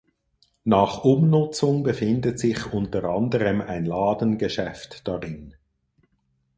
Nach Umnutzung befindet sich unter anderem ein Ladengeschäft darin.